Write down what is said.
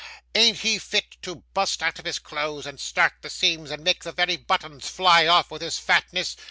Ain't he fit to bust out of his clothes, and start the seams, and make the very buttons fly off with his fatness?